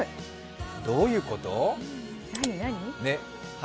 どういうこと？